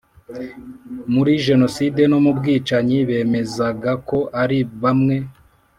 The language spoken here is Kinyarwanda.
muri jenoside no mu bwicanyi bemezaga ko ari bamwe